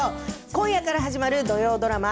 今夜から始まる土曜ドラマ